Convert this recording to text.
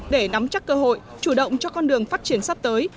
để nắm chắc cơ hội chủ động cho con đường phát triển sắp tới